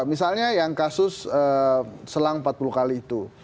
misalnya yang kasus selang empat puluh kali itu